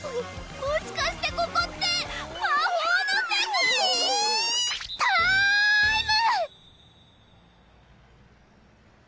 ももしかしてここって魔法の世界⁉ターイム！